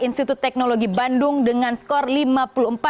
institut teknologi bandar indonesia